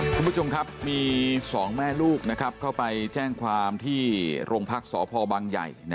คุณผู้ชมครับมี๒แม่ลูกเข้าไปแจ้งความที่โรงพักษ์สพบังใหญ่